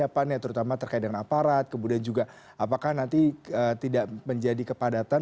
apa persiapan ya terutama terkait dengan aparat kemudian juga apakah nanti tidak menjadi kepadatan